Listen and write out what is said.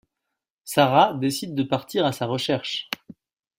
Sarah décide de partir à sa recherche.